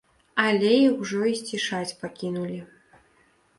Але іх ужо і сцішаць пакінулі.